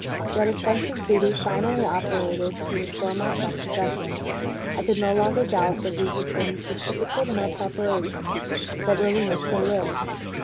Yet a sense of duty finally operated to restore my self possession. I could no longer doubt that we had been precipitate in our preparations that Rowena still lived.